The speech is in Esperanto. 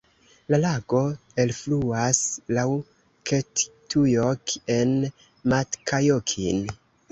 La lago elfluas laŭ Kettujoki en Matkajokin.